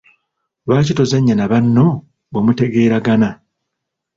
Lwaki tozannya na banno bwe mutegeeragana?